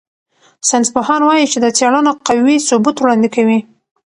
ساینسپوهان وايي چې دا څېړنه قوي ثبوت وړاندې کوي.